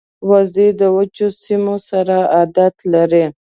وزې د وچو سیمو سره عادت لري